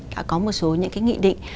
đã có một số những cái nghị định